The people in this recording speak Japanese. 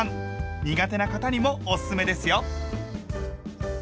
苦手な方にもおすすめですよ。